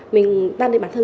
mình đang đi bán trường